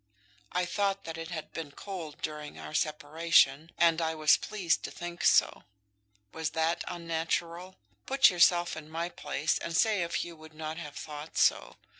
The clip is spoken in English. I thought that it had been cold during our separation, and I was pleased to think so. Was that unnatural? Put yourself in my place, and say if you would not have thought so.